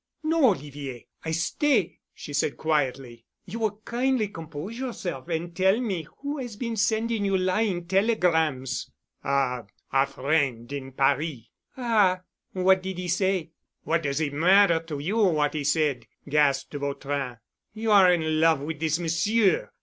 "No, Olivier. I stay," she said quietly. "You will kindly compose yourself and tell me who has been sending you lying telegrams." "A—a friend in Paris." "Ah! What did he say?" "What does it matter to you what he said?" gasped de Vautrin. "You are in love with this monsieur.